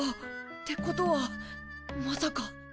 ってことはまさか！